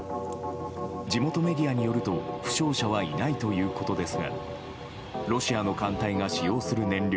地元メディアによると負傷者はいないということですがロシアの艦隊が使用する燃料